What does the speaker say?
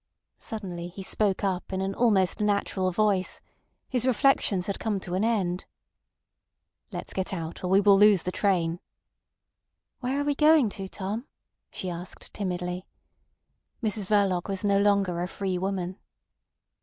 Suddenly he spoke up in an almost natural voice. His reflections had come to an end. "Let's get out, or we will lose the train." "Where are we going to, Tom?" she asked timidly. Mrs Verloc was no longer a free woman.